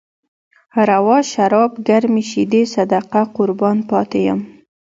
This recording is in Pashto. روا شراب، ګرمې شيدې، صدقه قربان پاتې يم